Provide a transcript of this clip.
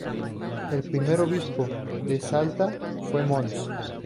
El primer obispo de Salta fue Mons.